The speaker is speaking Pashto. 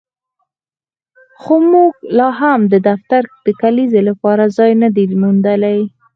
خو موږ لاهم د دفتر د کلیزې لپاره ځای نه دی موندلی